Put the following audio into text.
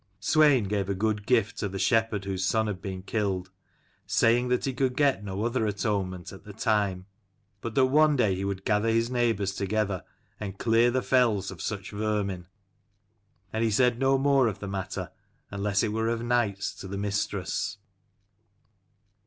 Swein gave a good gift to the shepherd whose son had been killed, saying that he could get no other atonement at the time: but that one day he would gather his neighbours together and clear the fells of such vermin. And he said no more of the matter, unless it were of nights to the mistress.